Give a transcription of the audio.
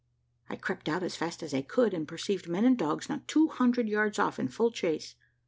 I crept out as fast as I could, and perceived men and dogs not two hundred yards off in full chase.